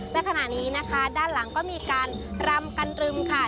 และขณะนี้นะคะด้านหลังก็มีการรำกันตรึมค่ะ